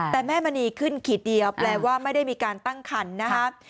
แต่แม่มณีขึ้นขีดเดียวแปลว่าไม่ได้มีการตั้งคันนะครับ